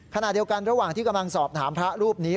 ขณะเดียวกันระหว่างที่กำลังสอบถามพระรูปนี้